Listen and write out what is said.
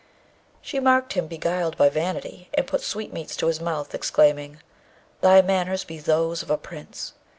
She marked him beguiled by vanity, and put sweetmeats to his mouth, exclaiming, 'Thy manners be those of a prince!'